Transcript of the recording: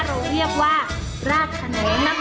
เราเรียกว่ารากขนาดนักเรียนเหมือนไม้